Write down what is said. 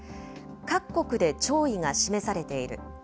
各国で弔意が示されている。